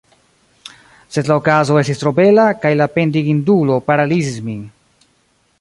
Sed la okazo estis tro bela, kaj la pendigindulo paralizis min.